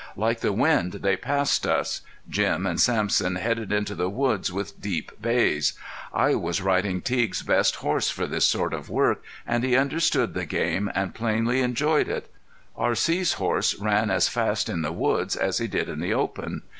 Like the wind they passed us. Jim and Sampson headed into the woods with deep bays. I was riding Teague's best horse for this sort of work and he understood the game and plainly enjoyed it. R.C.'s horse ran as fast in the woods as he did in the open.